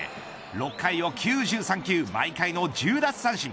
６回を９３球毎回の１０奪三振。